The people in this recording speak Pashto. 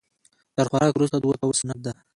تر خوراک وروسته دعا کول سنت ده